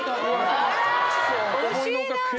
あら惜しいな。